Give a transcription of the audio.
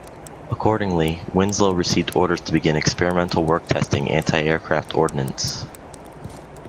Accordingly, "Winslow" received orders to begin experimental work testing antiaircraft ordnance.